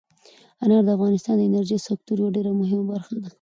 انار د افغانستان د انرژۍ سکتور یوه ډېره مهمه برخه ده.